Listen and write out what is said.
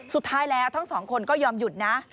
สุดท้ายแล้วทั้งสองคนก็ยอมหยุดนะ